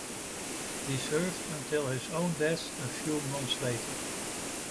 He served until his own death a few months later.